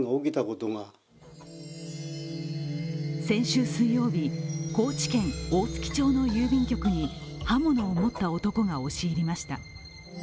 先週水曜日、高知県大月町の郵便局に刃物を持った男が押し入りました。